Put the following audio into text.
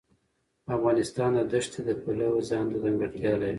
افغانستان د دښتې د پلوه ځانته ځانګړتیا لري.